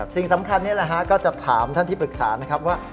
สิ่งสำคัญนี่แหละฮะก็จะถามท่านที่ปรึกษานะครับว่า